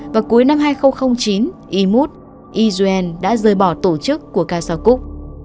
vào cuối năm hai nghìn chín imut yuen đã rời bỏ tổ chức của castro cúc